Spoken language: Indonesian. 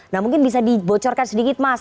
nah mungkin bisa dibocorkan sedikit mas